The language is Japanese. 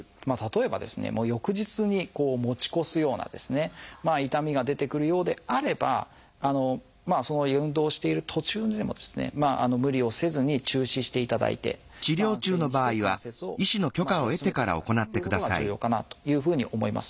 翌日に持ち越すような痛みが出てくるようであれば運動をしている途中でも無理をせずに中止していただいて安静にして関節を休めていただくっていうことが重要かなというふうに思います。